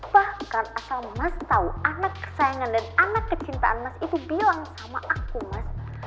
bahkan asal mas tahu anak kesayangan dan anak kecintaan mas itu bilang sama aku mas